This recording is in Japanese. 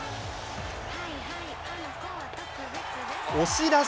押し出し。